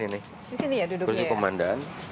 di sini ya duduknya ya